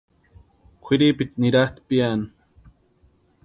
Kwʼiripita niratʼi piani.